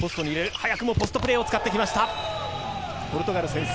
早くもポストプレーを使ってきました、ポルトガル先制。